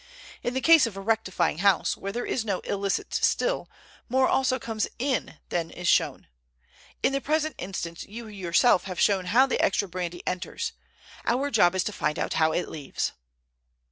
In the case of a rectifying house, where there is no illicit still, more also comes in than is shown. In the present instance you yourself have shown how the extra brandy enters. Our job is to find out how it leaves."